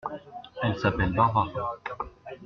Elle s’appelle Barbara.